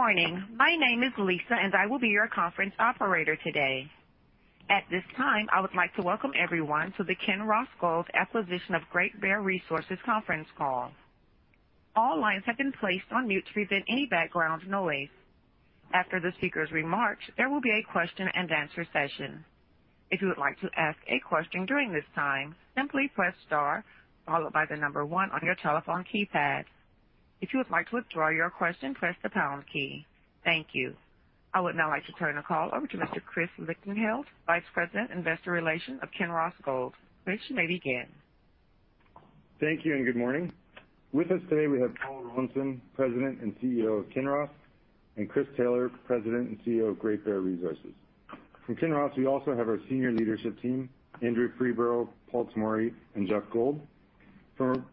Good morning. My name is Lisa, and I will be your conference operator today. At this time, I would like to welcome everyone to the Kinross Gold's acquisition of Great Bear Resources conference call. All lines have been placed on mute to prevent any background noise. After the speaker's remarks, there will be a question-and-answer session. If you would like to ask a question during this time, simply press Star followed by the number one on your telephone keypad. If you would like to withdraw your question, press the Pound key. Thank you. I would now like to turn the call over to Mr. Chris Lichtenheldt, Vice President, Investor Relations of Kinross Gold. Chris, you may begin. Thank you, and good morning. With us today, we have Paul Rollinson, President and CEO of Kinross, and Chris Taylor, President and CEO of Great Bear Resources. From Kinross, we also have our senior leadership team, Andrea Freeborough, Paul Tomory, and Geoff Gold.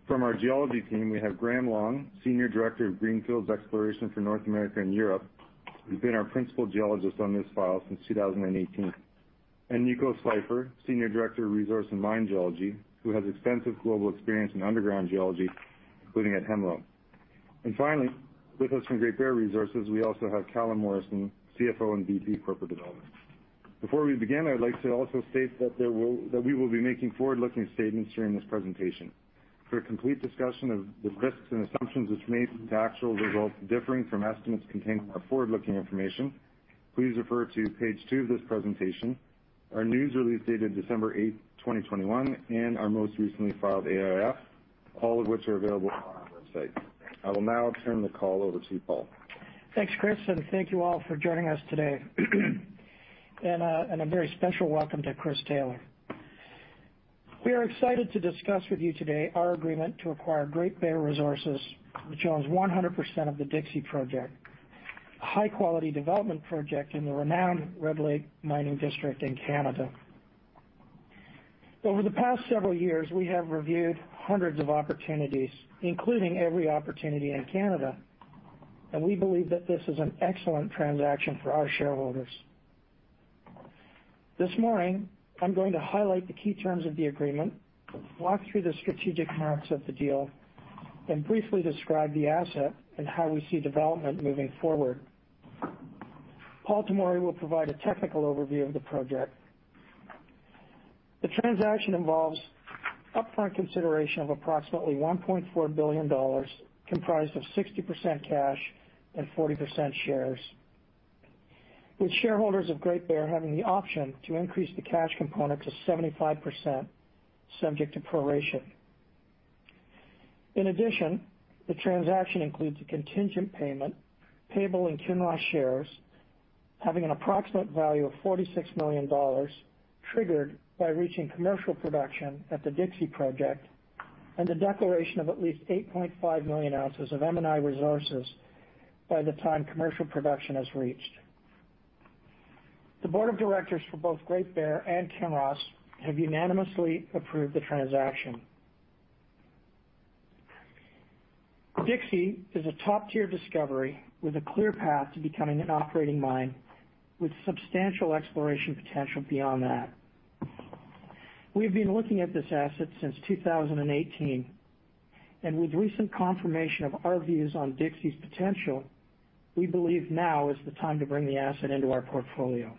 From our geology team, we have Graham Long, Senior Director of Greenfields Exploration for North America and Europe, who's been our principal geologist on this file since 2018. Claude Schimper, Senior Director of Resource and Mine Geology, who has extensive global experience in underground geology, including at Hemlo. Finally, with us from Great Bear Resources, we also have Calum Morrison, CFO and VP Corporate Development. Before we begin, I'd like to also state that we will be making forward-looking statements during this presentation. For a complete discussion of the risks and assumptions which may lead to actual results differing from estimates contained in our forward-looking information, please refer to page two of this presentation, our news release dated December 8, 2021, and our most recently filed AIF, all of which are available on our website. I will now turn the call over to Paul. Thanks, Chris, and thank you all for joining us today. A very special welcome to Chris Taylor. We are excited to discuss with you today our agreement to acquire Great Bear Resources, which owns 100% of the Dixie Project, a high-quality development project in the renowned Red Lake mining district in Canada. Over the past several years, we have reviewed hundreds of opportunities, including every opportunity in Canada, and we believe that this is an excellent transaction for our shareholders. This morning, I'm going to highlight the key terms of the agreement, walk through the strategic merits of the deal, and briefly describe the asset and how we see development moving forward. Paul Tomory will provide a technical overview of the project. The transaction involves upfront consideration of approximately $1.4 billion, comprised of 60% cash and 40% shares, with shareholders of Great Bear having the option to increase the cash component to 75% subject to proration. In addition, the transaction includes a contingent payment payable in Kinross shares having an approximate value of $46 million, triggered by reaching commercial production at the Dixie Project and the declaration of at least 8.5 million ounces of M&I resources by the time commercial production is reached. The board of directors for both Great Bear and Kinross have unanimously approved the transaction. Dixie is a top-tier discovery with a clear path to becoming an operating mine, with substantial exploration potential beyond that. We've been looking at this Asset since 2018, and with recent confirmation of our views on Dixie's potential, we believe now is the time to bring the Asset into our portfolio.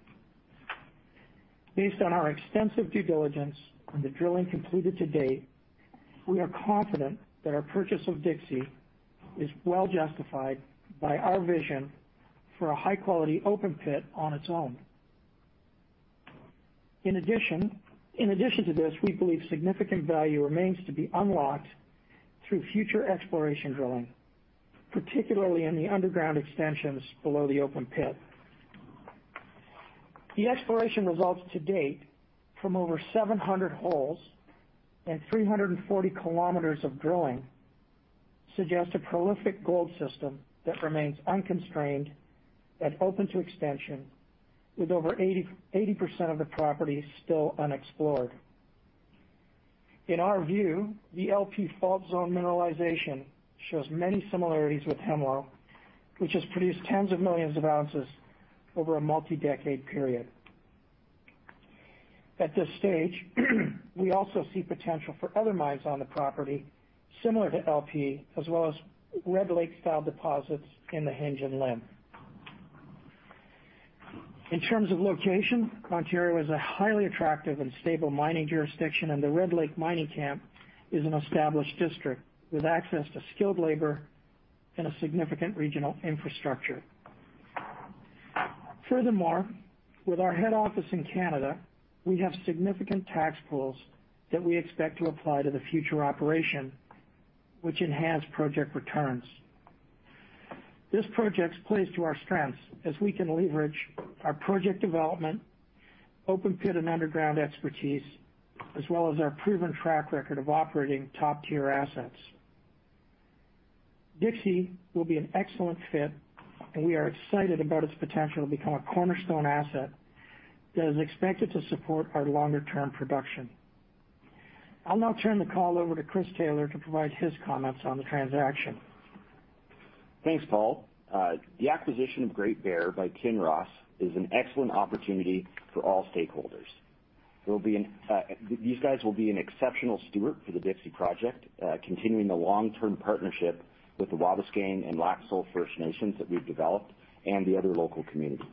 Based on our extensive due diligence and the drilling completed to date, we are confident that our purchase of Dixie is well justified by our vision for a high-quality open pit on its own. In addition to this, we believe significant value remains to be unlocked through future exploration drilling, particularly in the underground extensions below the open pit. The exploration results to date from over 700 holes and 340 km of drilling suggest a prolific gold system that remains unconstraineand open to expansion, with over 80% of the property still unexplored. In our view, the LP Fault Zone mineralization shows many similarities with Hemlo, which has produced tens of millions of ounces over a multi-decade period. At this stage, we also see potential for other mines on the property similar to LP, as well as Red Lake-style deposits in the hinge and Limb. In terms of location, Ontario is a highly attractive and stable mining jurisdiction, and the Red Lake mining camp is an established district with access to skilled labor and a significant regional infrastructure. Furthermore, with our head office in Canada, we have significant tax pools that we expect to apply to the future operation, which enhance project returns. This project plays to our strengths as we can leverage our project development, open pit and underground expertise, as well as our proven track record of operating top-tier assets. Dixie will be an excellent fit, and we are excited about its potential to become a cornerstone asset that is expected to support our longer-term production. I'll now turn the call over to Chris Taylor to provide his comments on the transaction. Thanks, Paul. The acquisition of Great Bear by Kinross is an excellent opportunity for all stakeholders. These guys will be an exceptional steward for the Dixie Project, continuing the long-term partnership with the Wabauskang and Lac Seul First Nation that we've developed and the other local communities.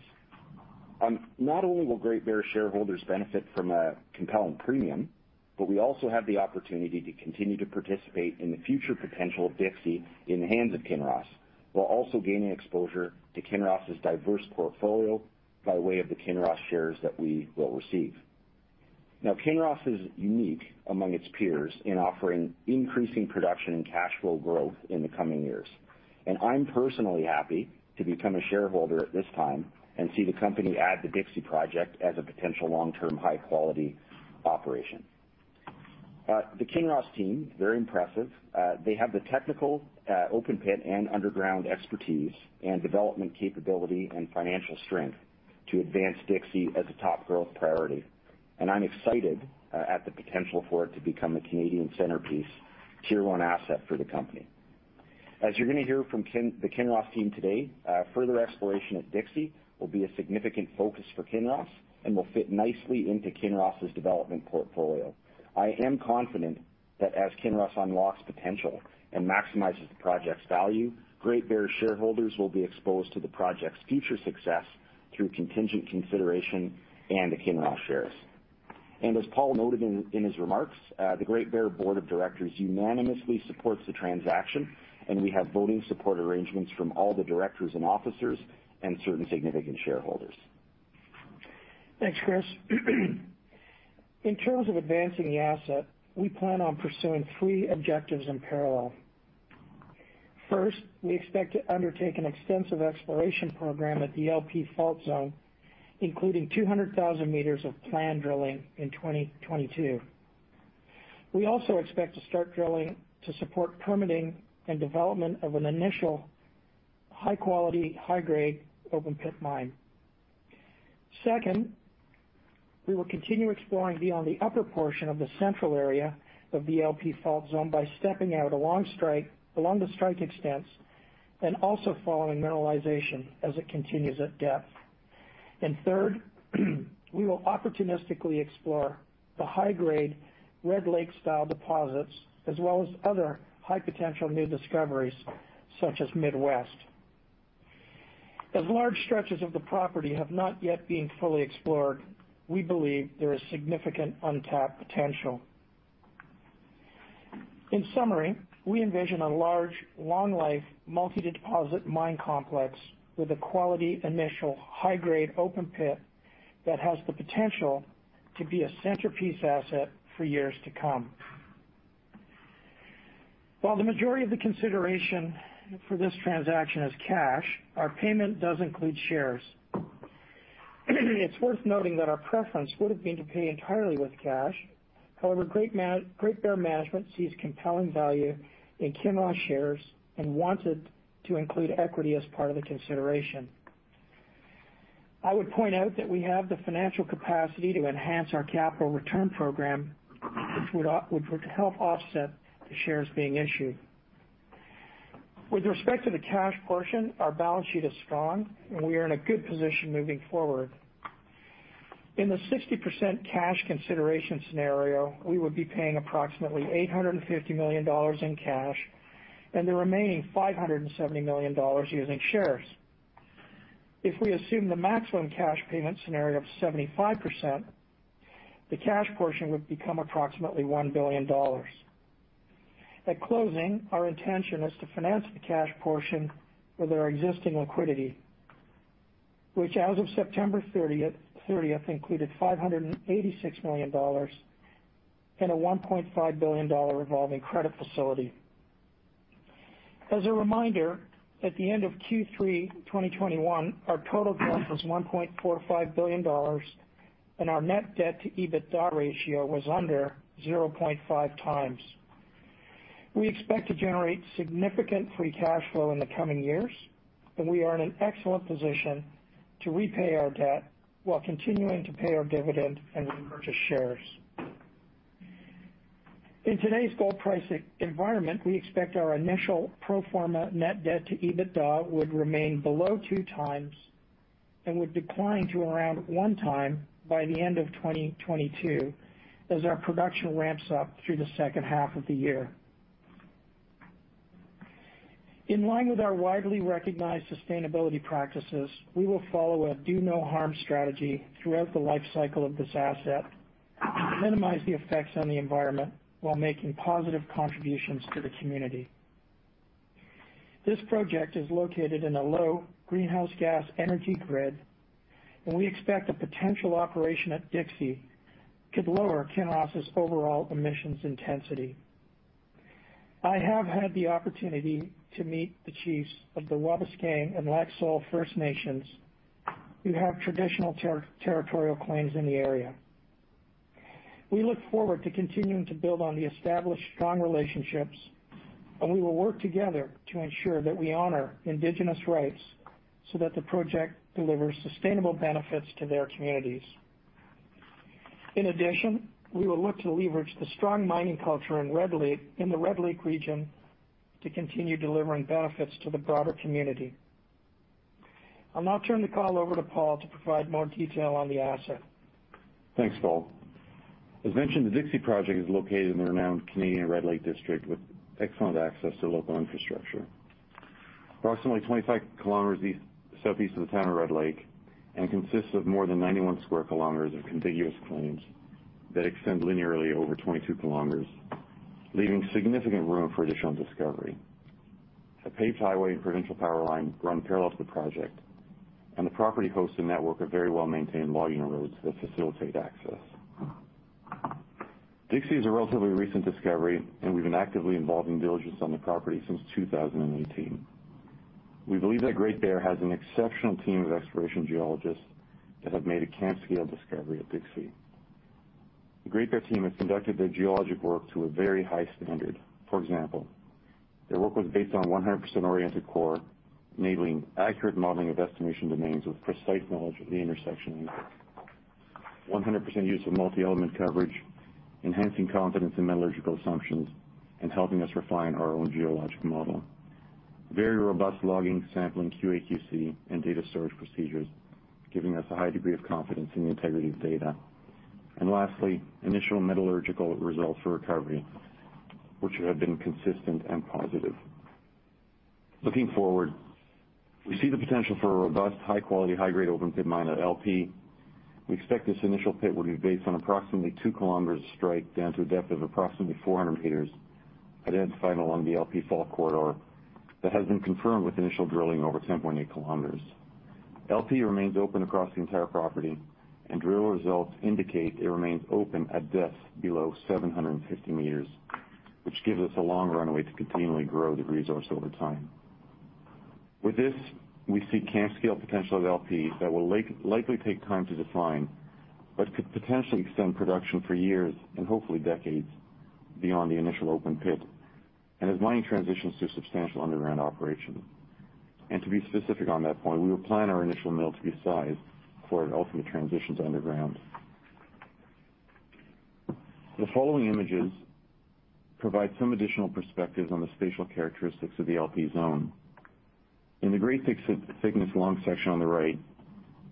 Not only will Great Bear shareholders benefit from a compelling premium, but we also have the opportunity to continue to participate in the future potential of Dixie in the hands of Kinross, while also gaining exposure to Kinross's diverse portfolio by way of the Kinross shares that we will receive. Now, Kinross is unique among its peers in offering increasing production and cash flow growth in the coming years. I'm personally happy to become a shareholder at this time and see the company add the Dixie Project as a potential long-term, high-quality operation. The Kinross team, very impressive. They have the technical open pit and underground expertise and development capability and financial strength to advance Dixie as a top growth priority. I'm excited at the potential for it to become a Canadian centerpiece Tier I asset for the company. As you're gonna hear from the Kinross team today, further exploration of Dixie will be a significant focus for Kinross and will fit nicely into Kinross's development portfolio. I am confident that as Kinross unlocks potential and maximizes the project's value, Great Bear shareholders will be exposed to the project's future success through contingent consideration and the Kinross shares. As Paul noted in his remarks, the Great Bear board of directors unanimously supports the transaction, and we have voting support arrangements from all the directors and officers and certain significant shareholders. Thanks, Chris. In terms of advancing the asset, we plan on pursuing three objectives in parallel. First, we expect to undertake an extensive exploration program at the LP Fault Zone, including 200,000 meters of planned drilling in 2022. We also expect to start drilling to support permitting and development of an initial high quality, high grade open pit mine. Second, we will continue exploring beyond the upper portion of the central area of the LP Fault Zone by stepping out along strike, along the strike extents, and also following mineralization as it continues at depth. Third, we will opportunistically explore the high grade Red Lake-style deposits as well as other high potential new discoveries, such as Midwest. As large stretches of the property have not yet been fully explored, we believe there is significant untapped potential. In summary, we envision a large, long life, multi-deposit mine complex with a quality initial high grade open pit that has the potential to be a centerpiece asset for years to come. While the majority of the consideration for this transaction is cash, our payment does include shares. It's worth noting that our preference would have been to pay entirely with cash. However, Great Bear management sees compelling value in Kinross shares and wanted to include equity as part of the consideration. I would point out that we have the financial capacity to enhance our capital return program, which would help offset the shares being issued. With respect to the cash portion, our balance sheet is strong, and we are in a good position moving forward. In the 60% cash consideration scenario, we would be paying approximately $850 million in cash and the remaining $570 million using shares. If we assume the maximum cash payment scenario of 75%, the cash portion would become approximately $1 billion. At closing, our intention is to finance the cash portion with our existing liquidity, which as of September 30 included $586 million and a $1.5 billion revolving credit facility. As a reminder, at the end of Q3 2021, our total debt was $1.45 billion, and our net debt to EBITDA ratio was under 0.5x. We expect to generate significant free cash flow in the coming years, and we are in an excellent position to repay our debt while continuing to pay our dividend and repurchase shares. In today's gold price environment, we expect our initial pro forma net debt to EBITDA would remain below 2x and would decline to around 1x by the end of 2022 as our production ramps up through the second half of the year. In line with our widely recognized sustainability practices, we will follow a Do No Harm strategy throughout the life cycle of this asset to minimize the effects on the environment while making positive contributions to the community. This project is located in a low greenhouse gas energy grid, and we expect a potential operation at Dixie could lower Kinross's overall emissions intensity. I have had the opportunity to meet the chiefs of the Wabauskang and Lac Seul First Nation who have traditional territorial claims in the area. We look forward to continuing to build on the established strong relationships, and we will work together to ensure that we honor indigenous rights so that the project delivers sustainable benefits to their communities. In addition, we will look to leverage the strong mining culture in Red Lake in the Red Lake region to continue delivering benefits to the broader community. I'll now turn the call over to Paul to provide more detail on the asset. Thanks, Paul. As mentioned, the Dixie project is located in the renowned Canadian Red Lake district with excellent access to local infrastructure. Approximately 25 km east-southeast of the town of Red Lake and consists of more than 91 sq km of contiguous claims that extend linearly over 22 km, leaving significant room for additional discovery. A paved highway and provincial power line run parallel to the project, and the property hosts a network of very well-maintained logging roads that facilitate access. Dixie is a relatively recent discovery, and we've been actively involved in diligence on the property since 2018. We believe that Great Bear has an exceptional team of exploration geologists that have made a camp-scale discovery at Dixie. The Great Bear team has conducted their geologic work to a very high standard. For example, their work was based on 100% oriented core, enabling accurate modeling of estimation domains with precise knowledge of the intersection. 100% use of multi-element coverage, enhancing confidence in metallurgical assumptions, and helping us refine our own geological model. Very robust logging, sampling, QAQC, and data storage procedures, giving us a high degree of confidence in the integrity of data. Lastly, initial metallurgical results for recovery, which have been consistent and positive. Looking forward, we see the potential for a robust, high-quality, high-grade open pit mine at LP. We expect this initial pit will be based on approximately 2 km of strike down to a depth of approximately 400 m identified along the LP fault corridor that has been confirmed with initial drilling over 10.8 km. LP remains open across the entire property, and drill results indicate it remains open at depths below 750 m, which gives us a long runway to continually grow the resource over time. With this, we see camp-scale potential of LP that will likely take time to define, but could potentially extend production for years, and hopefully decades, beyond the initial open pit and as mining transitions to substantial underground operation. To be specific on that point, we will plan our initial mill to be sized for an ultimate transition to underground. The following images provide some additional perspective on the spatial characteristics of the LP zone. In the gray fixed thickness along section on the right,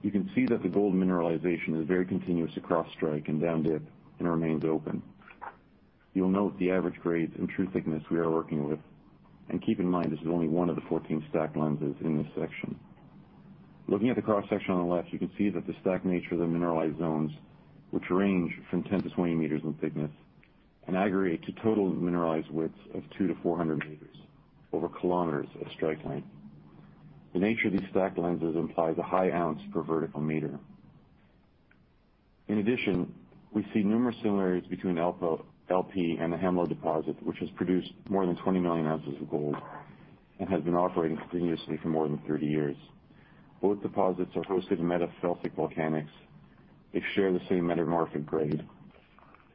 you can see that the gold mineralization is very continuous across strike and down dip and remains open. You'll note the average grades and true thickness we are working with. Keep in mind, this is only one of the 14 stacked lenses in this section. Looking at the cross-section on the left, you can see that the stacked nature of the mineralized zones, which range from 10 m- 20 m in thickness and aggregate to total mineralized widths of 200 m-400 m over km of strike length. The nature of these stacked lenses implies a high ounce per vertical meter. In addition, we see numerous similarities between LP and the Hemlo deposit, which has produced more than 20 million ounces of gold and has been operating continuously for more than 30 years. Both deposits are hosted in meta-felsic volcanics. They share the same metamorphic grade.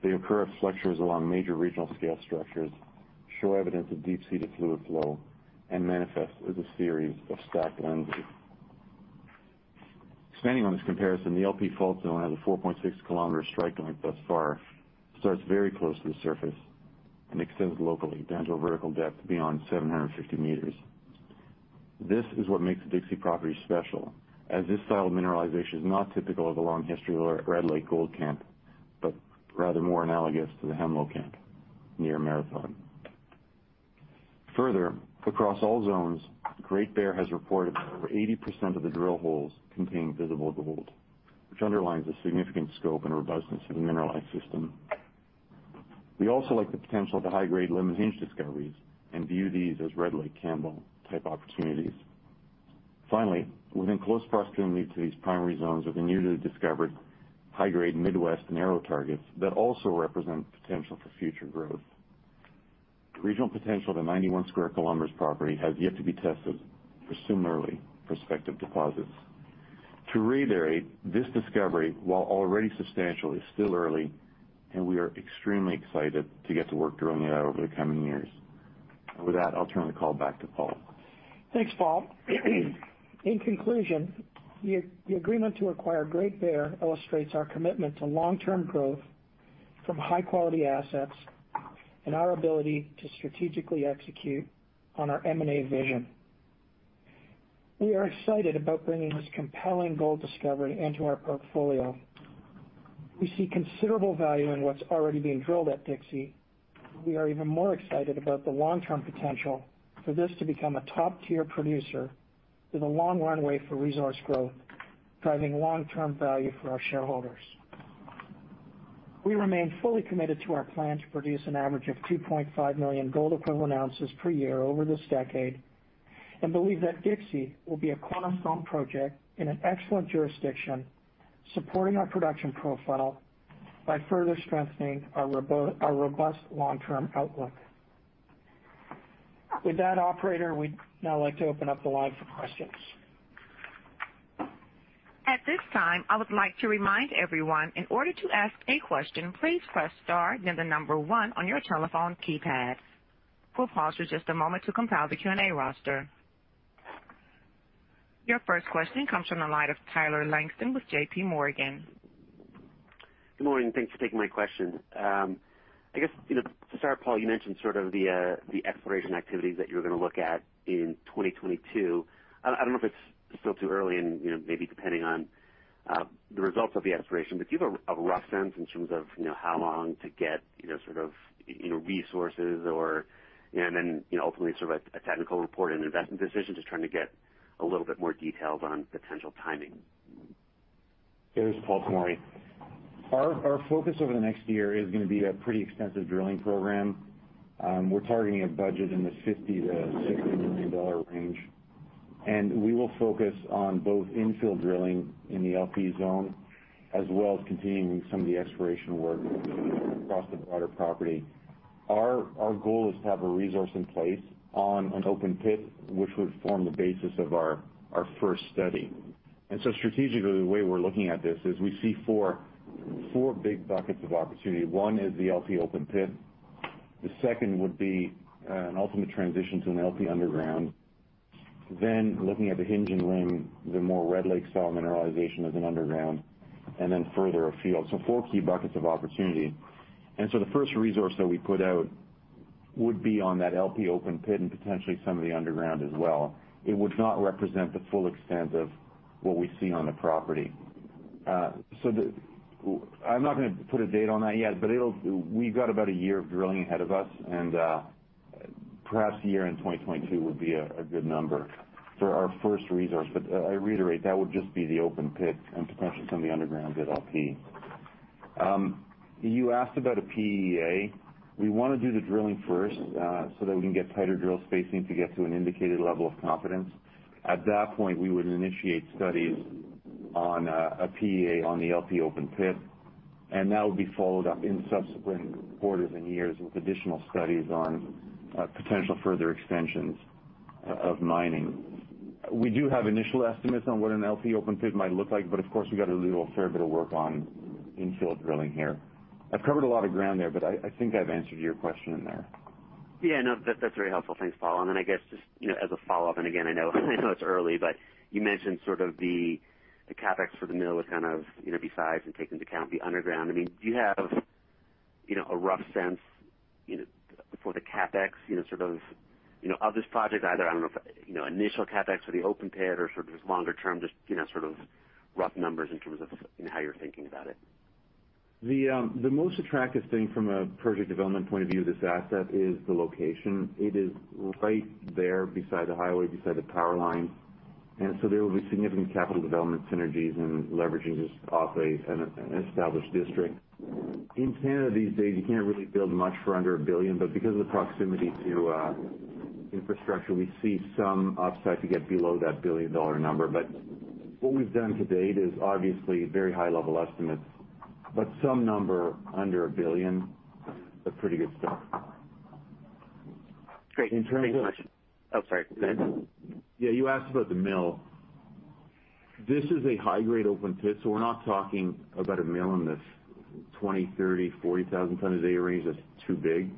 They occur at flexures along major regional scale structures, show evidence of deep-seated fluid flow, and manifest as a series of stacked lenses. Expanding on this comparison, the LP Fault Zone has a 4.6-km strike length thus far, starts very close to the surface and extends locally down to a vertical depth beyond 750 m This is what makes the Dixie property special, as this style of mineralization is not typical of the long history of the Red Lake gold camp, but rather more analogous to the Hemlo camp near Marathon. Further, across all zones, Great Bear has reported that over 80% of the drill holes contain visible gold, which underlines the significant scope and robustness of the mineralized system. We also like the potential to high-grade limit hinge discoveries and view these as Red Lake Campbell-type opportunities. Finally, within close proximity to these primary zones are the newly discovered high-grade Midwest and Arrow targets that also represent potential for future growth. The regional potential of the 91 sq km property has yet to be tested for similarly prospective deposits. To reiterate, this discovery, while already substantial, is still early, and we are extremely excited to get to work drilling it out over the coming years. With that, I'll turn the call back to Paul. Thanks, Paul. In conclusion, the agreement to acquire Great Bear illustrates our commitment to long-term growth from high-quality assets and our ability to strategically execute on our M&I vision. We are excited about bringing this compelling gold discovery into our portfolio. We see considerable value in what's already being drilled at Dixie. We are even more excited about the long-term potential for this to become a top-tier producer with a long runway for resource growth, driving long-term value for our shareholders. We remain fully committed to our plan to produce an average of 2.5 million gold equivalent ounces per year over this decade and believe that Dixie will be a cornerstone project in an excellent jurisdiction, supporting our production profile by further strengthening our robust long-term outlook. With that, operator, we'd now like to open up the line for questions. At this time, I would like to remind everyone, in order to ask a question, please press Star, then the number one on your telephone keypad. We'll pause for just a moment to compile the Q&A roster. Your first question comes from the line of Tyler Langton with JP Morgan. Good morning. Thanks for taking my question. I guess, you know, to start, Paul, you mentioned sort of the exploration activities that you're gonna look at in 2022. I don't know if it's still too early and, you know, maybe depending on the results of the exploration, but do you have a rough sense in terms of, you know, how long to get, you know, sort of in resources or, you know, and then, you know, ultimately sort of a technical report and investment decision? Just trying to get a little bit more details on potential timing. This is Paul Tomory. Our focus over the next year is gonna be a pretty extensive drilling program. We're targeting a budget in the $50 million-$60 million range, and we will focus on both infill drilling in the LP zone, as well as continuing some of the exploration work across the broader property. Our goal is to have a resource in place on an open pit, which would form the basis of our first study. Strategically, the way we're looking at this is we see four big buckets of opportunity. One is the LP open pit. The second would be an ultimate transition to an LP underground. Looking at the Hinge and Limb, the more Red Lake style mineralization as an underground and then further afield, so four key buckets of opportunity. The first resource that we put out would be on that LP open pit and potentially some of the underground as well. It would not represent the full extent of what we see on the property. I'm not gonna put a date on that yet, but we've got about a year of drilling ahead of us, and perhaps a year in 2022 would be a good number for our first resource. I reiterate, that would just be the open pit and potentially some of the underground at LP. You asked about a PEA. We wanna do the drilling first, so that we can get tighter drill spacing to get to an indicated level of confidence. At that point, we would initiate studies on a PEA on the LP open pit, and that would be followed up in subsequent quarters and years with additional studies on potential further extensions of mining. We do have initial estimates on what an LP open pit might look like, but of course, we got to do a fair bit of work on infill drilling here. I've covered a lot of ground there, but I think I've answered your question in there. Yeah, no, that's very helpful. Thanks, Paul. I guess just, you know, as a follow-up, and again, I know it's early, but you mentioned sort of the CapEx for the mill was kind of, you know, but does not take into account the underground. I mean, do you have, you know, a rough sense, you know, for the CapEx, you know, sort of, you know, of this project? Either, I don't know if, you know, initial CapEx for the open pit or sort of just longer term just, you know, sort of rough numbers in terms of, you know, how you're thinking about it. Most attractive thing from a project development point of view of this asset is the location. It is right there beside the highway, beside the power line. There will be significant capital development synergies and leveraging this off an established district. In Canada these days, you can't really build much for under $1 billion, but because of the proximity to infrastructure, we see some upside to get below that billion-dollar number. What we've done to date is obviously very high level estimates, but some number under $1 billion, a pretty good start. Great. In terms of- Thanks so much. Oh, sorry, go ahead. Yeah, you asked about the mill. This is a high grade open pit, so we're not talking about a mill in this 20,000 tons-40,000 tons a day range. That's too big.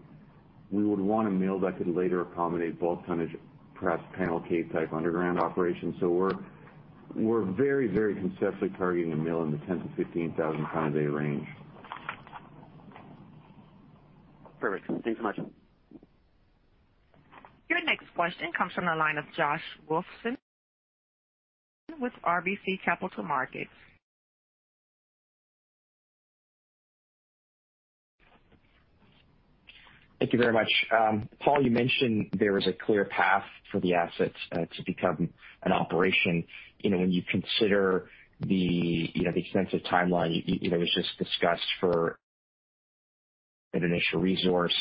We would want a mill that could later accommodate bulk tonnage, perhaps panel cave type underground operations. We're very conceptually targeting a mill in the 10,000 tons-15,000 ton a day range. Perfect. Thanks so much. Your next question comes from the line of Josh Wolfson with RBC Capital Markets. Thank you very much. Paul, you mentioned there is a clear path for the assets to become an operation. You know, when you consider the, you know, the extensive timeline, you know, was just discussed for an initial resource,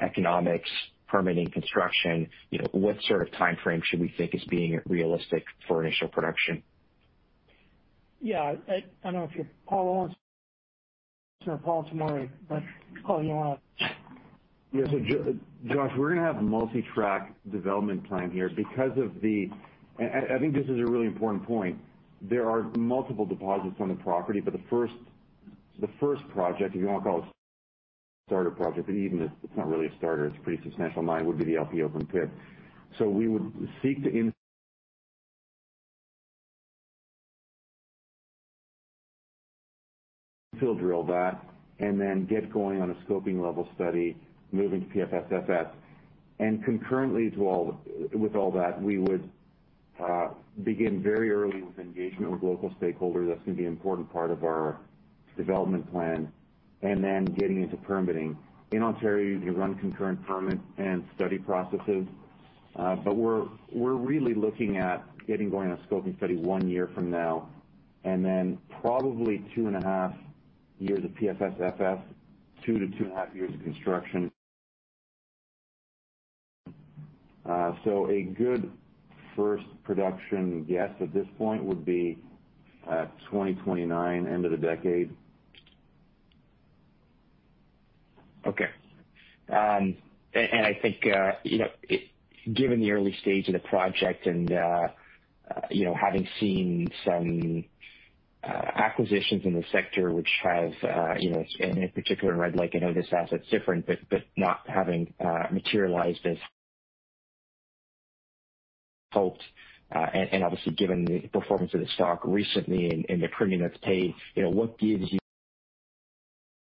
economics, permitting, construction, you know, what sort of timeframe should we think is being realistic for initial production? Yeah. I don't know if you want, Paul Tomory, but Paul, you wanna? Yeah. Josh, we're gonna have multi-track development plan here because I think this is a really important point. There are multiple deposits on the property. The first project, if you wanna call it starter project, but even if it's not really a starter, it's a pretty substantial mine, would be the LP open pit. We would seek to infill drill that and then get going on a scoping level study, moving to PFS/FS. Concurrently with all that, we would begin very early with engagement with local stakeholders. That's gonna be an important part of our development plan, getting into permitting in Ontario, you run concurrent permit and study processes. We're really looking at getting going on a scoping study one year from now and then probably 2.5 years of PFS/FS, 2-2.5 years of construction. A good first production guess at this point would be 2029, end of the decade. Okay. I think, you know, given the early stage of the project and, you know, having seen some acquisitions in the sector which have, you know, in particular Red Lake, I know this asset's different, but not having materialized as hoped, and obviously given the performance of the stock recently and the premium that's paid, you know, what gives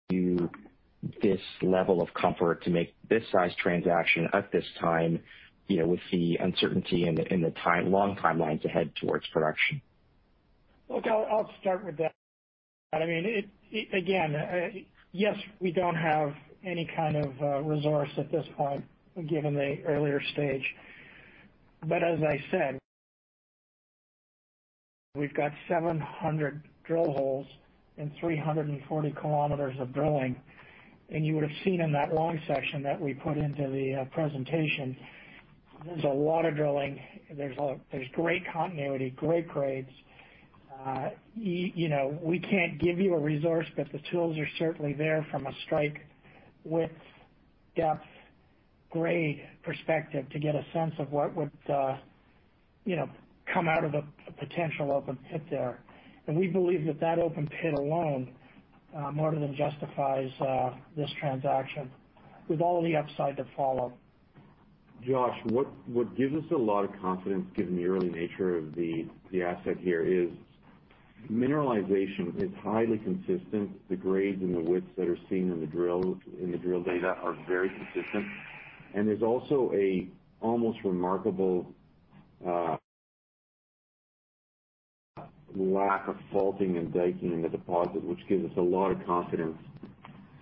you this level of comfort to make this size transaction at this time, you know, with the uncertainty and the long timeline to head towards production? Look, I'll start with that. I mean, it again, yes, we don't have any kind of resource at this point, given the earlier stage. As I said, we've got 700 drill holes and 340 km of drilling. You would've seen in that long section that we put into the presentation, there's a lot of drilling. There's great continuity, great grades. You know, we can't give you a resource, but the tools are certainly there from a strike with depth grade perspective to get a sense of what would come out of a potential open pit there. We believe that that open pit alone more than justifies this transaction with all the upside to follow. Josh, what gives us a lot of confidence, given the early nature of the asset here, is that mineralization is highly consistent. The grades and the widths that are seen in the drill data are very consistent. There's also an almost remarkable lack of faulting and diking in the deposit, which gives us a lot of confidence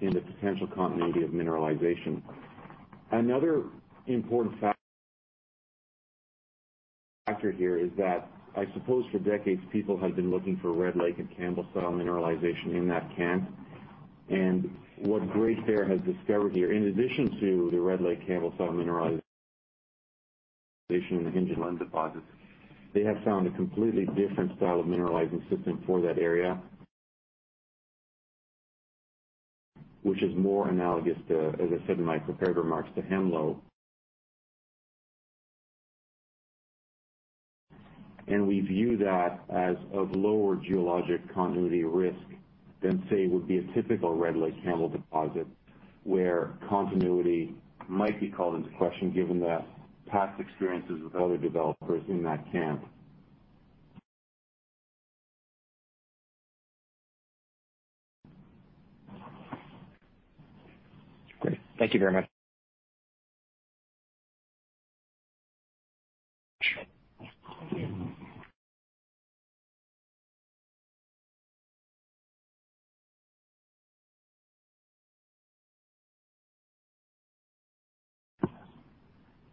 in the potential continuity of mineralization. Another important factor here is that I suppose for decades, people have been looking for Red Lake and Campbell style mineralization in that camp. What Great Bear has discovered here, in addition to the Red Lake Campbell style mineralization in the Hinge and Limb deposits, they have found a completely different style of mineralizing system for that area. Which is more analogous to, as I said in my prepared remarks, to Hemlo. We view that as of lower geologic continuity risk than, say, would be a typical Red Lake Campbell deposit, where continuity might be called into question given the past experiences with other developers in that camp. Great. Thank you very much.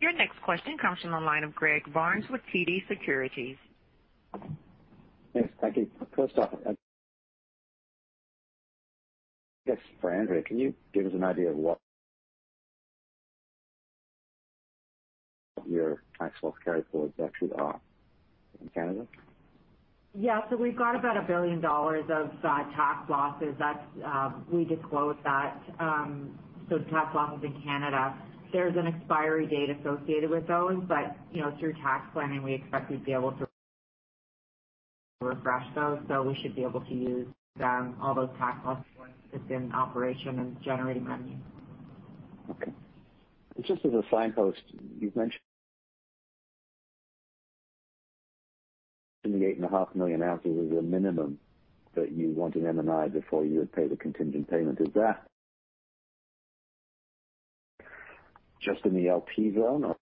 Your next question comes from the line of Greg Barnes with TD Securities. Thanks. Thank you. First off, I guess for Andrea, can you give us an idea of what your tax loss carryforwards actually are in Canada? We've got about $1 billion of tax losses. We disclosed that, so tax losses in Canada. There's an expiry date associated with those. You know, through tax planning, we expect we'd be able to refresh those. We should be able to use them, all those tax losses once it's in operation and generating revenue. Okay. Just as a signpost, you've mentioned in the 8.5 million ounces as a minimum that you want an M&I before you would pay the contingent payment. Is that just in the LP zone or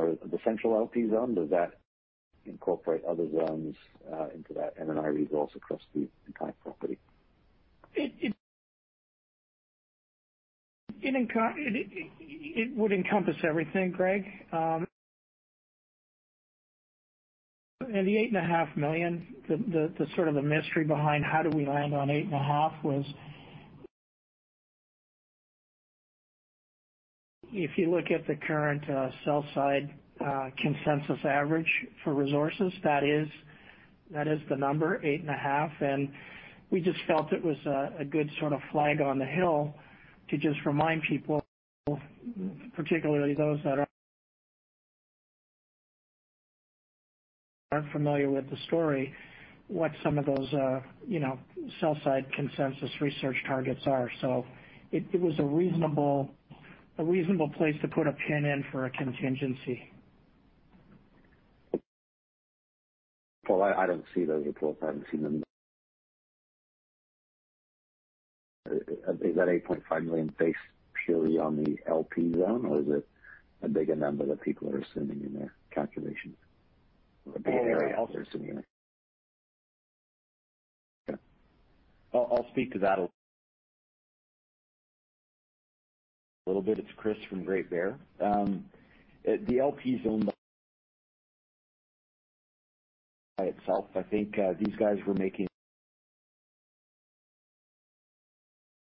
the central LP zone? Does that incorporate other zones into that M&I resource across the entire property? It would encompass everything, Greg. The 8.5 million, the sort of mystery behind how do we land on 8.5 was, if you look at the current sell side consensus average for resources, that is the number, 8.5. We just felt it was a good sort of flag on the hill to just remind people, particularly those that aren't familiar with the story, what some of those you know sell side consensus research targets are. It was a reasonable place to put a pin in for a contingency. Well, I don't see those reports. I haven't seen them. Is that 8.5 million based purely on the LP zone or is it a bigger number that people are assuming in their calculations? Well, I'll speak to that a little bit. It's Chris from Great Bear. The LP zone by itself, I think, these guys were making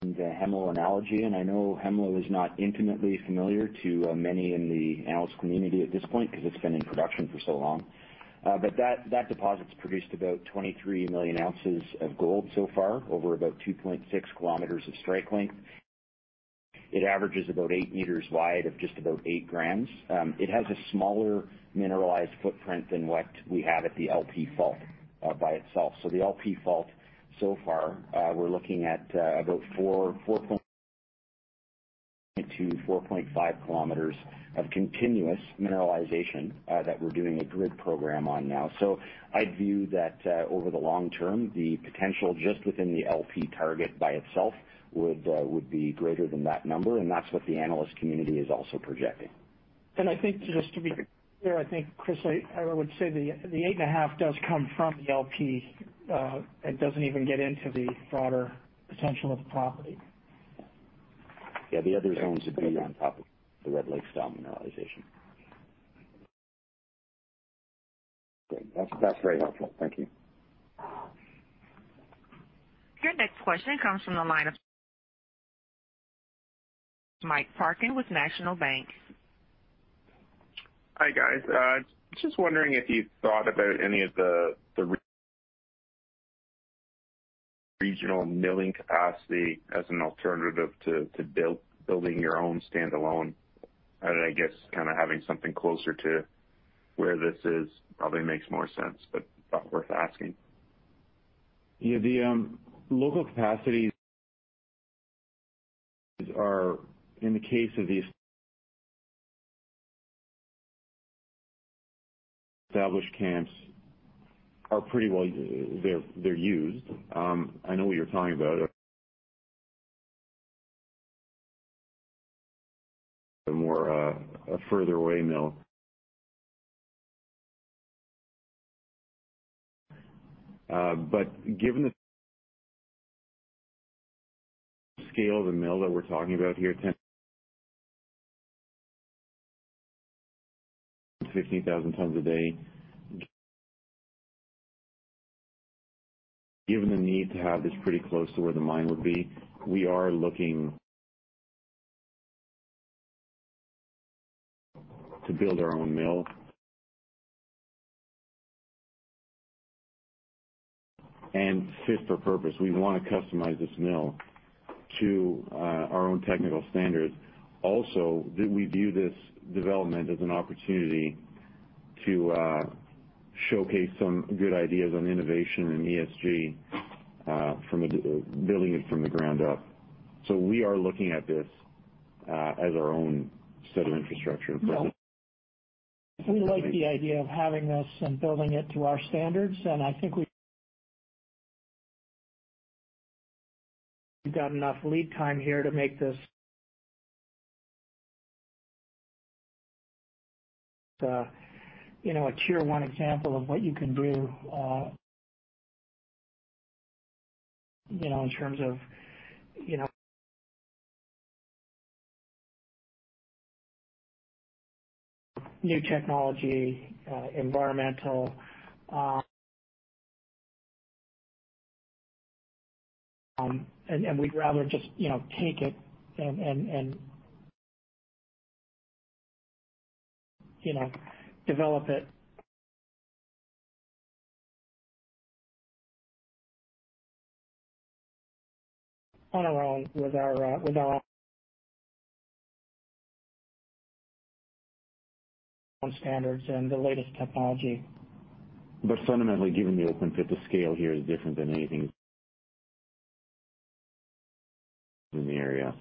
the Hemlo analogy, and I know Hemlo is not intimately familiar to many in the analyst community at this point because it's been in production for so long. But that deposit's produced about 23 million ounces of gold so far over about 2.6 km of strike length. It averages about 8 m wide of just about 8 g. It has a smaller mineralized footprint than what we have at the LP fault by itself. The LP fault so far, we're looking at about 4.4 km-4.5 km of continuous mineralization that we're doing a grid program on now. I view that over the long term, the potential just within the LP target by itself would be greater than that number, and that's what the analyst community is also projecting. I think just to be clear, I think, Chris, I would say the 8.5 does come from the LP, and doesn't even get into the broader potential of the property. Yeah. The other zones would be on top of the Red Lake style mineralization. Great. That's very helpful. Thank you. Your next question comes from the line of Mike Parkin with National Bank. Hi, guys. Just wondering if you thought about any of the regional milling capacity as an alternative to building your own standalone. I guess kinda having something closer to where this is probably makes more sense, but thought worth asking. Yeah. The local capacities are, in the case of these established camps, pretty well, they're used. I know what you're talking about. The more a further away mill. But given the scale of the mill that we're talking about here, 10 tons-15,000 tons a day, given the need to have this pretty close to where the mine would be, we are looking to build our own mill and fit for purpose. We wanna customize this mill to our own technical standards. Also, that we view this development as an opportunity to showcase some good ideas on innovation and ESG from a building it from the ground up. We are looking at this as our own set of infrastructure. We like the idea of having this and building it to our standards, and I think we've got enough lead time here to make this, you know, a Tier 1 example of what you can do, you know, in terms of, you know, new technology, environmental, and you know, take it and develop it on our own with our own standards and the latest technology. Fundamentally, given the open pit, the scale here is different than anything in the area.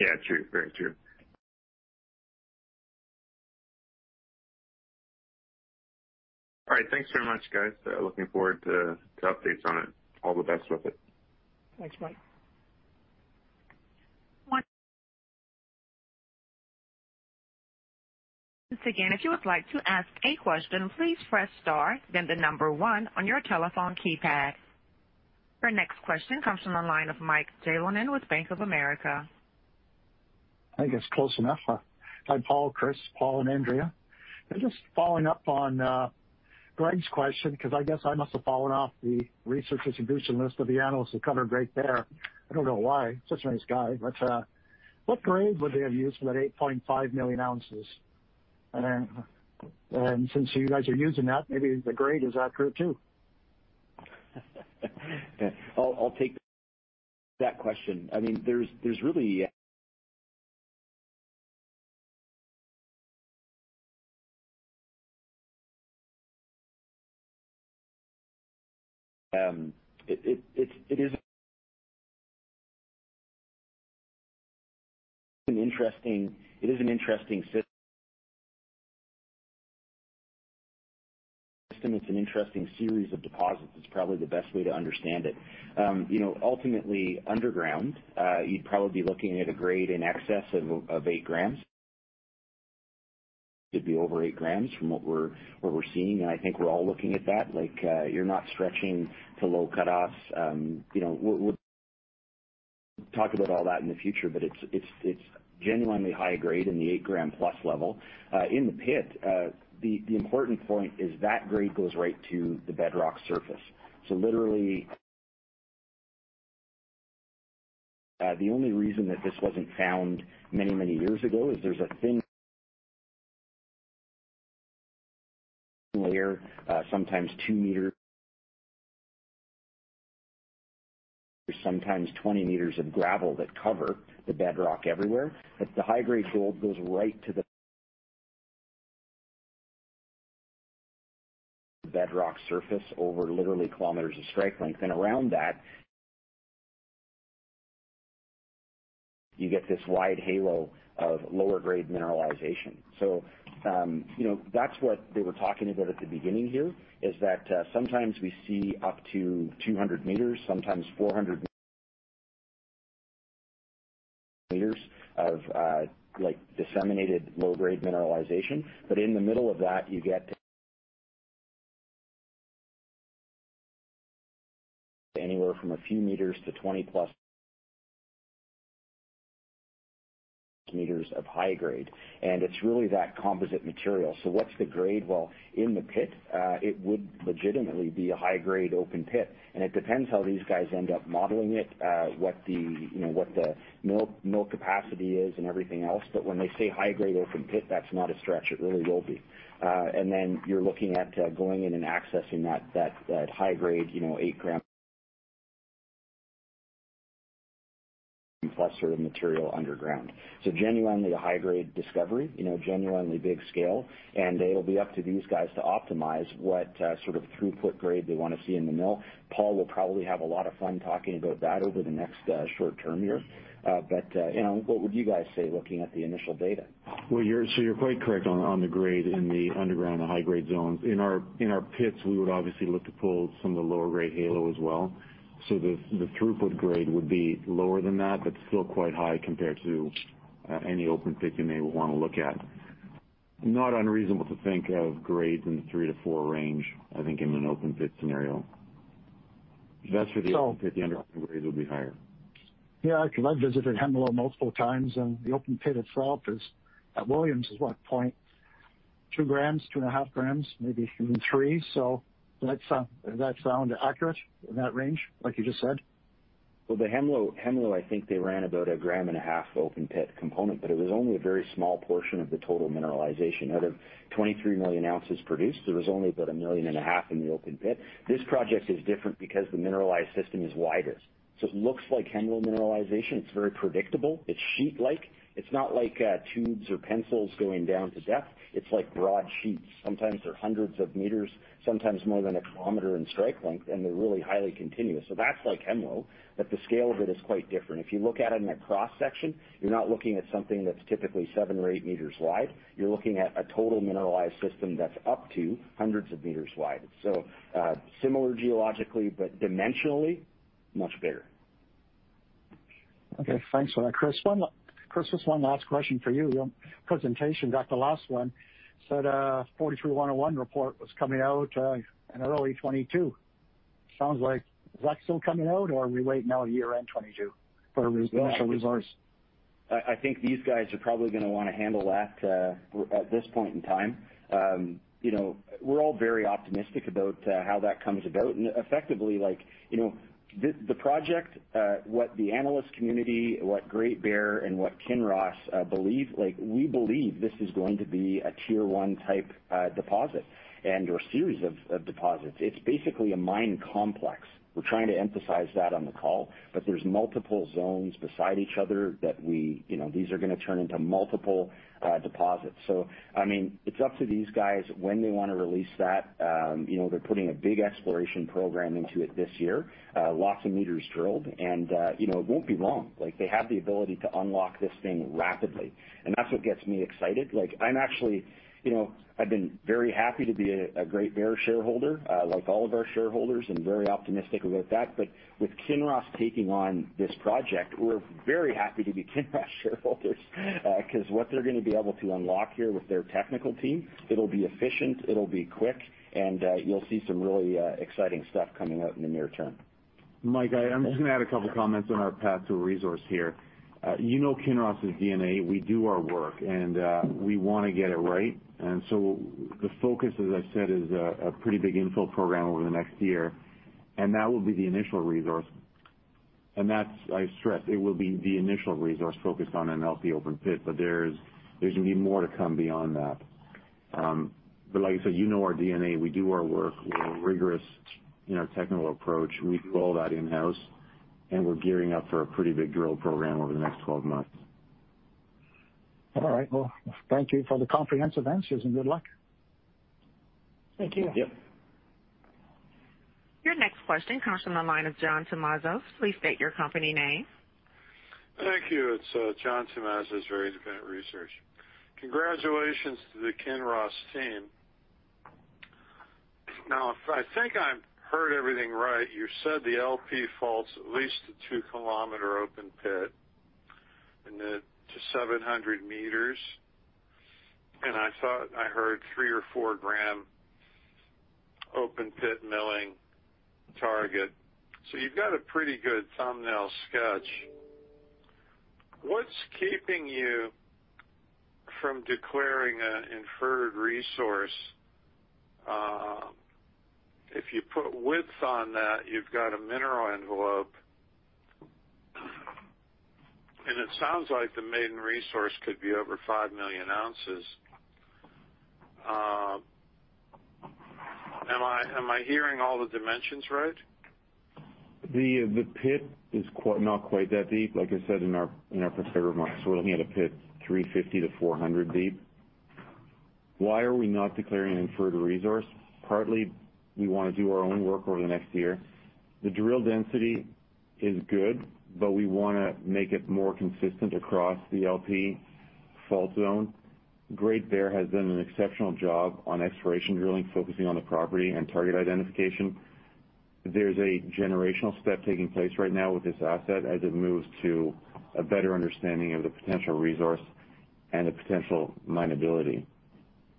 Yeah, true. Very true. All right. Thanks very much, guys. Looking forward to updates on it. All the best with it. Thanks, Mike. Once again, if you would like to ask a question, please press star then the number one on your telephone keypad. Your next question comes from the line of Mike Jalonen with Bank of America. I think it's close enough. Hi, Paul, Chris, Paul, and Andrea. Just following up on Greg's question, 'cause I guess I must have fallen off the research distribution list of the analysts who covered Kinross. I don't know why. Such a nice guy. What grade would they have used for that 8.5 million ounces? Since you guys are using that, maybe the grade is accurate too. Yeah. I'll take that question. I mean, there's really... It is an interesting system. It's an interesting series of deposits. It's probably the best way to understand it. You know, ultimately, underground, you'd probably be looking at a grade in excess of 8 g It'd be over 8 g from what we're seeing, and I think we're all looking at that. Like, you're not stretching to low cutoffs. You know, we'll talk about all that in the future, but it's genuinely high grade in the 8-g-plus level. In the pit, the important point is that grade goes right to the bedrock surface. Literally, the only reason that this wasn't found many, many years ago is there's a thin layer, sometimes 2 m, sometimes 20 m of gravel that cover the bedrock everywhere. But the high-grade gold goes right to the- The bedrock surface over literally kilometers of strike length. Around that, you get this wide halo of lower grade mineralization. That's what they were talking about at the beginning here, is that, sometimes we see up to 200 m, sometimes 400 m of, like, disseminated low-grade mineralization. In the middle of that, you get anywhere from a few meters to 20+ m of high grade. It's really that composite material. What's the grade? Well, in the pit, it would legitimately be a high grade open pit, and it depends how these guys end up modeling it, what the mill capacity is and everything else. When they say high grade open pit, that's not a stretch. It really will be. You're looking at going in and accessing that high grade, you know, 8 g plus sort of material underground. Genuinely a high grade discovery, you know, genuinely big scale. It'll be up to these guys to optimize what sort of throughput grade they wanna see in the mill. Paul will probably have a lot of fun talking about that over the next short term here. You know, what would you guys say, looking at the initial data? Well, you're quite correct on the grade in the underground, the high grade zones. In our pits, we would obviously look to pull some of the lower grade halo as well. The throughput grade would be lower than that, but still quite high compared to any open pit you may wanna look at. Not unreasonable to think of grades in the three-four range, I think, in an open pit scenario. That's for the open pit. The underground grades will be higher. Yeah, because I've visited Hemlo multiple times, and the open pit at Williams is what, 0.2 g, 2.5 g, maybe even thee. Does that sound accurate in that range, like you just said? Well, the Hemlo, I think they ran about 1.5-g open pit component, but it was only a very small portion of the total mineralization. Out of 23 million ounces produced, there was only about 1.5 million in the open pit. This project is different because the mineralized system is wider. It looks like Hemlo mineralization. It's very predictable. It's sheet-like. It's not like tubes or pencils going down to depth. It's like broad sheets. Sometimes they're hundreds of meters, sometimes more than 1 km in strike length, and they're really highly continuous. That's like Hemlo, but the scale of it is quite different. If you look at it in a cross-section, you're not looking at something that's typically 7m or 8 m wide. You're looking at a total mineralized system that's up to hundreds of meters wide. Similar geologically, but dimensionally much bigger. Okay. Thanks for that, Chris. Chris, just one last question for you. Your presentation, the last one, said a 43-101 report was coming out in early 2022. Sounds like, is that still coming out or are we waiting now year-end 2022 for initial resource? I think these guys are probably gonna wanna handle that at this point in time. You know, we're all very optimistic about how that comes about. Effectively, like, you know, the project, what the analyst community, what Great Bear, and what Kinross believe, like, we believe this is going to be a Tier I type deposit and/or series of deposits. It's basically a mine complex. We're trying to emphasize that on the call, but there's multiple zones beside each other that we, you know, these are gonna turn into multiple deposits. I mean, it's up to these guys when they wanna release that. You know, they're putting a big exploration program into it this year, lots of meters drilled and, you know, it won't be long. Like, they have the ability to unlock this thing rapidly, and that's what gets me excited. Like, I'm actually, you know, I've been very happy to be a Great Bear shareholder, like all of our shareholders, and very optimistic about that, but with Kinross taking on this project, we're very happy to be Kinross shareholders, 'cause what they're gonna be able to unlock here with their technical team, it'll be efficient, it'll be quick, and you'll see some really exciting stuff coming out in the near term. Mike, I'm just gonna add a couple comments on our path to resource here. You know Kinross' DNA, we do our work, and we wanna get it right. The focus, as I said, is a pretty big infill program over the next year, and that will be the initial resource. That's, I stress, it will be the initial resource focused on an LP open pit, but there's gonna be more to come beyond that. Like I said, you know our DNA, we do our work. We have a rigorous, you know, technical approach. We do all that in-house, and we're gearing up for a pretty big drill program over the next 12 months. All right. Well, thank you for the comprehensive answers, and good luck. Thank you. Yep. Your next question comes from the line of John Tumazos. Please state your company name. Thank you. It's John Tumazos for Independent Research. Congratulations to the Kinross team. Now, if I think I've heard everything right, you said the LP faults at least a 2-km open pit and then to 700 m, and I thought I heard 3-g or 4-g open pit milling target. You've got a pretty good thumbnail sketch. What's keeping you from declaring an inferred resource? If you put width on that, you've got a mineral envelope. It sounds like the maiden resource could be over 5 million ounces. Am I hearing all the dimensions right? The pit is not quite that deep, like I said, in our preliminary model, we're looking at a pit 350-400 deep. Why are we not declaring an inferred resource? Partly, we wanna do our own work over the next year. The drill density is good, but we wanna make it more consistent across the LP Fault Zone. Great Bear has done an exceptional job on exploration drilling, focusing on the property and target identification. There's a generational step taking place right now with this asset as it moves to a better understanding of the potential resource and the potential mineability.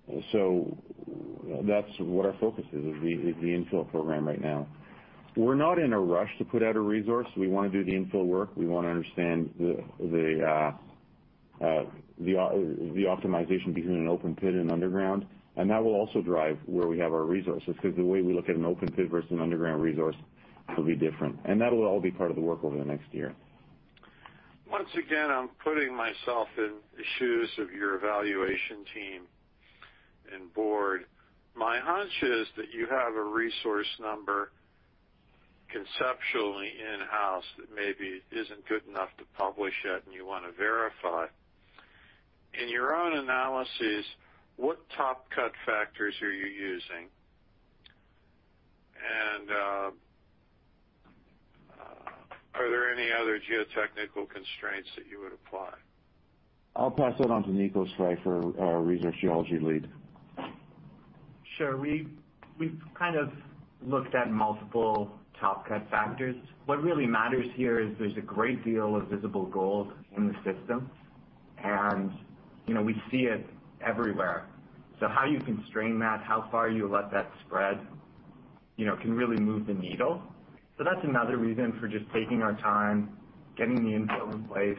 That's what our focus is, the infill program right now. We're not in a rush to put out a resource. We wanna do the infill work, we wanna understand the optimization between an open pit and underground, and that will also drive where we have our resources, 'cause the way we look at an open pit versus an underground resource will be different. That'll all be part of the work over the next year. Once again, I'm putting myself in the shoes of your evaluation team and board. My hunch is that you have a resource number conceptually in-house that maybe isn't good enough to publish yet and you wanna verify. In your own analysis, what top cut factors are you using? Are there any other geotechnical constraints that you would apply? I'll pass that on to Nicos Pfeiffer, for our resource geology lead. Sure. We've kind of looked at multiple top cut factors. What really matters here is there's a great deal of visible gold in the system, and, you know, we see it everywhere. How you constrain that, how far you let that spread, you know, can really move the needle. That's another reason for just taking our time, getting the infill in place,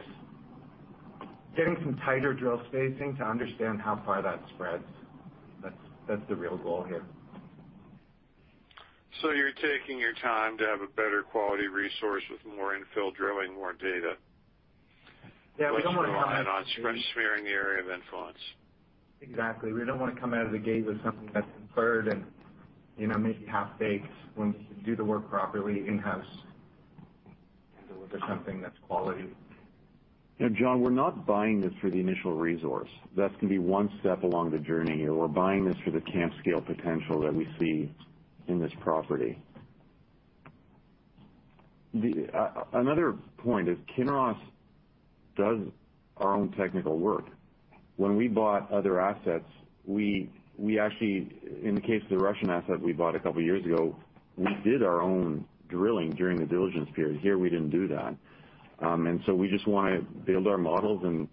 getting some tighter drill spacing to understand how far that spreads. That's the real goal here. You're taking your time to have a better quality resource with more infill drilling, more data. Yeah, we don't wanna come. On spread, smearing the area of influence. Exactly. We don't wanna come out of the gate with something that's inferred and, you know, maybe half-baked when we can do the work properly in-house and deliver something that's quality. John, we're not buying this for the initial resource. That's gonna be one step along the journey. We're buying this for the camp scale potential that we see in this property. Another point is Kinross does our own technical work. When we bought other assets, we actually, in the case of the Russian asset we bought a couple years ago, we did our own drilling during the diligence period. Here, we didn't do that. We just wanna build our models and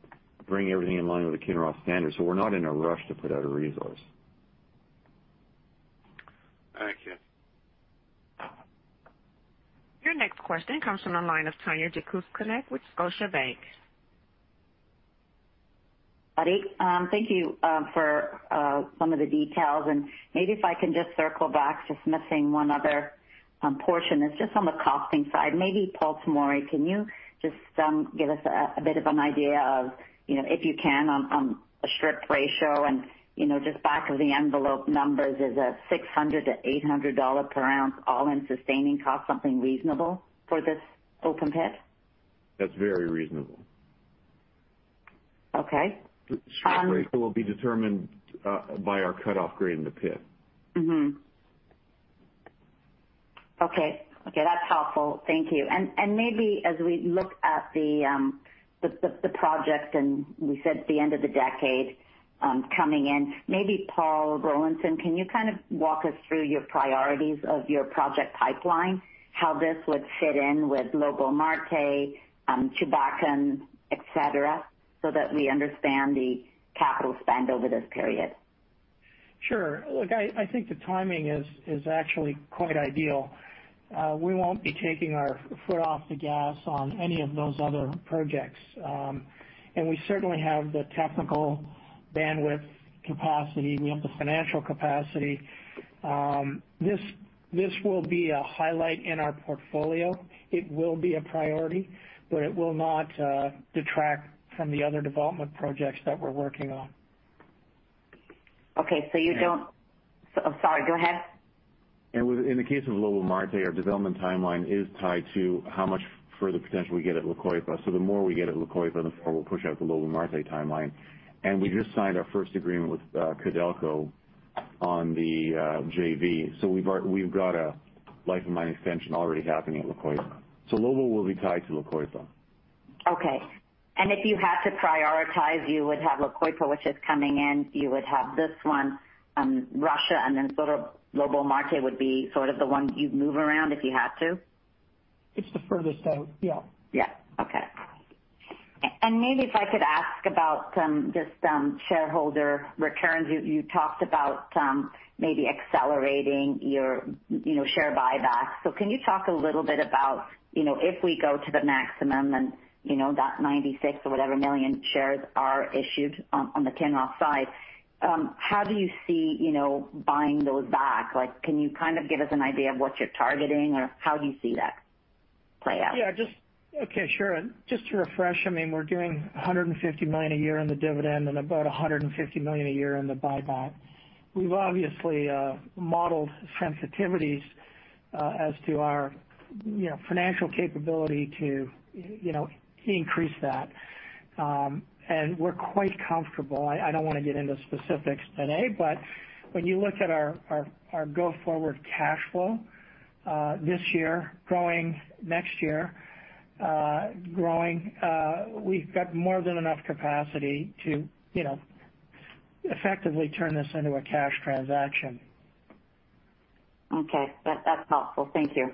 bring everything in line with the Kinross standards. We're not in a rush to put out a resource. Thank you. Your next question comes from the line of Tanya Jakusconek with Scotiabank. Buddy, thank you for some of the details, and maybe if I can just circle back, just missing one other portion. It's just on the costing side. Maybe Paul Tomory, can you just give us a bit of an idea of, you know, if you can, on a strip ratio and, you know, just back of the envelope numbers, is a $600-$800 per ounce all-in sustaining cost something reasonable for this open pit? That's very reasonable. Okay. Strip rate will be determined by our cutoff grade in the pit. Mm-hmm. Okay. Okay, that's helpful. Thank you. Maybe as we look at the project and we said the end of the decade, coming in, maybe Paul Rollinson, can you kind of walk us through your priorities of your project pipeline, how this would fit in with Lobo Marte, Chulbatkan, et cetera, so that we understand the capital spend over this period? Sure. Look, I think the timing is actually quite ideal. We won't be taking our foot off the gas on any of those other projects. We certainly have the technical bandwidth capacity. We have the financial capacity. This will be a highlight in our portfolio. It will be a priority, but it will not detract from the other development projects that we're working on. Okay. You don't And- Sorry, go ahead. Within the case of Lobo Marte, our development timeline is tied to how much further potential we get at La Coipa. The more we get at La Coipa, the more we'll push out the Lobo Marte timeline. We just signed our first agreement with Codelco on the JV. We've got a life-of-mine extension already happening at La Coipa. Lobo will be tied to La Coipa. Okay. If you had to prioritize, you would have La Coipa, which is coming in, you would have this one, Russia, and then sort of Lobo Marte would be sort of the one you'd move around if you had to? It's the furthest out, yeah. Yeah. Okay. Maybe if I could ask about just shareholder returns. You talked about maybe accelerating your, you know, share buybacks. Can you talk a little bit about, you know, if we go to the maximum and, you know, that 96 or whatever million shares are issued on the Kinross side, how do you see, you know, buying those back? Like, can you kind of give us an idea of what you're targeting or how do you see that play out? Okay, sure. Just to refresh, I mean, we're doing $150 million a year on the dividend and about $150 million a year in the buyback. We've obviously modeled sensitivities as to our, you know, financial capability to, you know, increase that. We're quite comfortable. I don't wanna get into specifics today, but when you look at our go forward cash flow this year, growing next year, growing, we've got more than enough capacity to, you know, effectively turn this into a cash transaction. Okay. That, that's helpful. Thank you.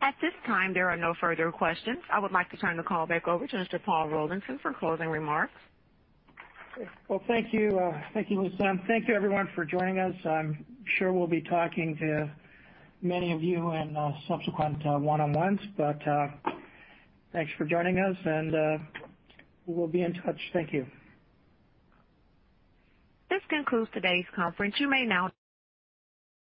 At this time, there are no further questions. I would like to turn the call back over to Mr. Paul Rollinson for closing remarks. Well, thank you. Thank you, Lisa. Thank you everyone for joining us. I'm sure we'll be talking to many of you in subsequent one-on-ones, but thanks for joining us and we will be in touch. Thank you. This concludes today's conference. You may now